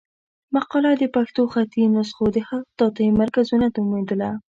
مقاله د پښتو خطي نسخو د خطاطۍ مرکزونه نومېدله.